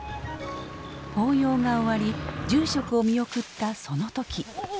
法要が終わり住職を見送ったその時。